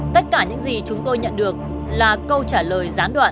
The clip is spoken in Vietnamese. tất cả những gì chúng tôi nhận được là câu trả lời gián đoạn